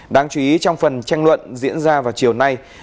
đáng chú ý trong phần tranh luận diễn ra vào chiều nay